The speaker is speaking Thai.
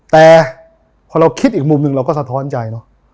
แต่พอเราคิดอีกมุมหนึ่งเราก็สะท้อนใจเนอะ